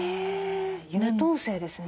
優等生ですね。